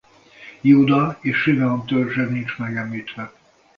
Júda és Simeon törzse nincs megemlítve.